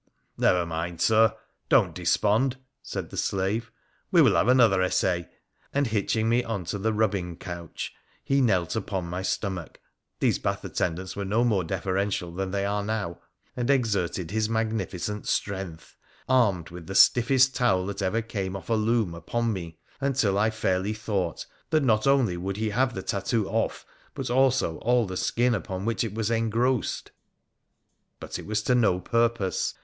' Never mind, Sir ; don't despond,' said the slave, ' we will have another essay ;' and, hitching me on to the rubbing couch, he knelt upon my stomach— these bath attendants were no more deferential than they are now — and exerted his mag nificent strength, armed with the stiffest towel that ever came off a loom upon me, until I fairly thought that not only would PHRA THE PHCENICIAN 35 he have the tattoo off but also all the skin upon which it was engrossed. But it was to no purpose.